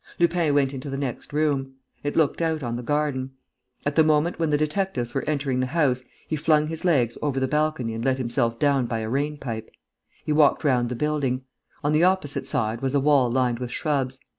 Lupin went into the next room. It looked out on the garden. At the moment when the detectives were entering the house, he flung his legs over the balcony and let himself down by a rain pipe. He walked round the building. On the opposite side was a wall lined with shrubs.